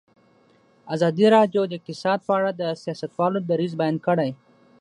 ازادي راډیو د اقتصاد په اړه د سیاستوالو دریځ بیان کړی.